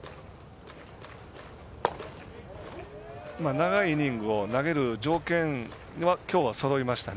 長いイニングを投げる条件はきょうはそろいましたね。